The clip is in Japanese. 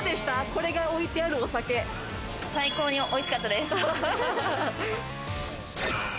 これが置いてあ最高に美味しかったです。